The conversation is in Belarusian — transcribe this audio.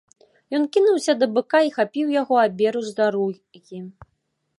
Ён кінуўся да быка і хапіў яго аберуч за рогі.